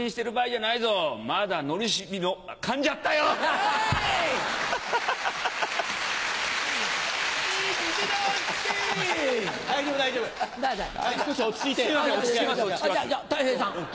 じゃたい平さん。